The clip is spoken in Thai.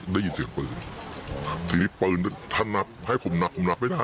ได้ยินเสียงปืนทีนี้ปืนถ้านับให้ผมนัดผมนับไม่ได้